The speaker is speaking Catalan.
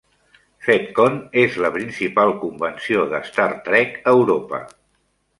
FedCon és la principal convenció de Star Trek a Europa.